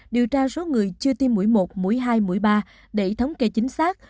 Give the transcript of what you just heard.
điều tra số người chưa tiêm mũi một mũi hai mũi ba để thống kê chính xác